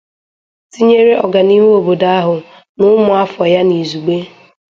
tinyere ọganihu obodo ahụ na ụmụ afọ ya n'izugbe.